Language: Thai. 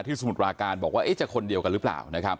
สมุทรปราการบอกว่าจะคนเดียวกันหรือเปล่านะครับ